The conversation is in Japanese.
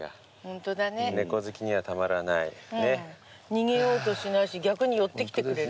逃げようとしないし逆に寄ってきてくれる。